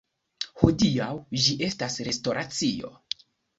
Hodiaŭ ĝi estas restoracio.